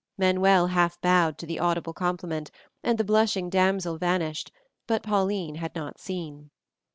Manuel half bowed to the audible compliment, and the blushing damsel vanished, but Pauline had not seen.